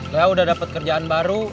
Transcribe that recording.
ya udah dapet kerjaan baru